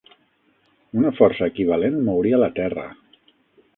Una força equivalent mouria la Terra.